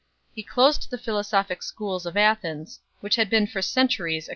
He closed the philosophic schools of Athens 5 , which had been for centuries a kind of 1 H.